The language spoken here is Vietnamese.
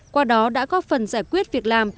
qua đó đã có phần giải quyết việc làm